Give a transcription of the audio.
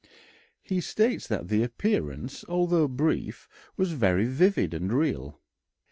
He states that the appearance, although brief, was very vivid and real.